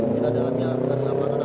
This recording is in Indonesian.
kita dalamnya kita dalamnya